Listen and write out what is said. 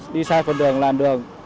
đi sai phần đường làn đường